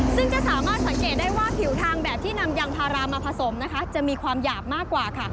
ซึ่งจะสามารถสังเกตได้ว่าผิวทางแบบที่นำยางพารามาผสมนะคะจะมีความหยาบมากกว่าค่ะ